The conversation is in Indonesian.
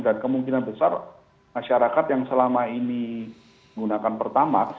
dan kemungkinan besar masyarakat yang selama ini menggunakan pertamax